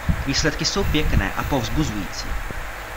Výsledky jsou pěkné a povzbuzující.